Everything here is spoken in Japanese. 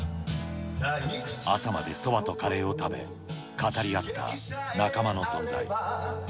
朝までそばとカレーを食べ、語り合った仲間の存在。